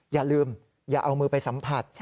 อย่าลืมอย่าเอามือไปสัมผัส